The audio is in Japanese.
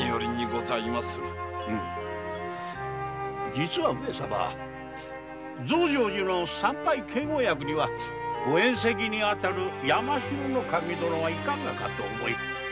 実は上様増上寺の参拝警護役にはご縁せきにあたる山城守殿がいかがかと思い